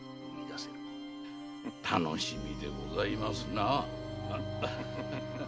楽しみでございますなあ。